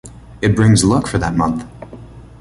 It brings luck for that month.